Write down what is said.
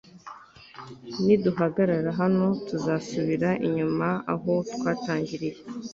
Niduhagarara hano tuzasubira inyuma aho twatangiriye